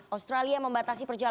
australia membatasi perjuangan